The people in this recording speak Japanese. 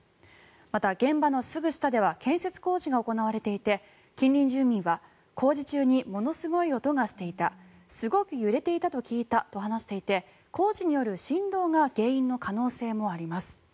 また、現場のすぐ下では建設工事が行われていて近隣住民は工事中にものすごい音がしていたすごく揺れていたと聞いたと話していて工事による振動が原因の可能性もあります。